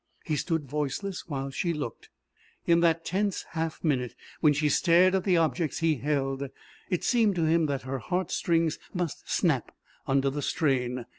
He stood voiceless while she looked. In that tense half minute when she stared at the objects he held it seemed to him that her heart strings must snap under the strain.